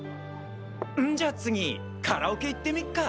んじゃ次カラオケ行ってみっか！